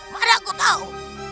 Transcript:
mana aku tahu